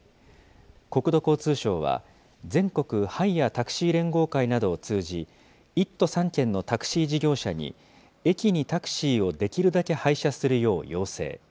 国土交通省は、全国ハイヤー・タクシー連合会などを通じ、１都３県のタクシー事業者に、駅にタクシーをできるだけ配車するよう要請。